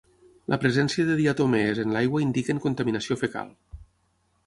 La presència de diatomees en l'aigua indiquen contaminació fecal.